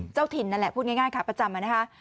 เจ้าถิ่นนั่นแหละพูดง่ายขาประจำนะคะ